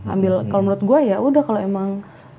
ambil kalau menurut gue ya udah kalau emang